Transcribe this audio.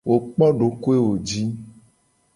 Wo kpo dokoewo ji.